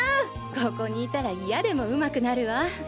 ここにいたら嫌でもうまくなるわ。